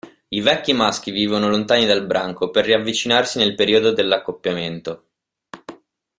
I vecchi maschi vivono lontani dal branco per riavvicinarsi nel periodo dell'accoppiamento.